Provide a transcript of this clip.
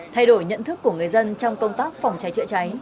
thay đổi nhận thức của người dân trong công tác phòng cháy chữa cháy